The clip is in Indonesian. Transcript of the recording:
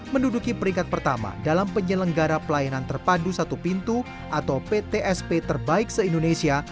menduduki peringkat pertama dalam penyelenggara pelayanan terpadu satu pintu atau ptsp terbaik se indonesia